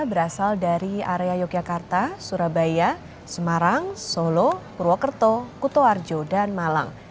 berasal dari area yogyakarta surabaya semarang solo purwokerto kutoarjo dan malang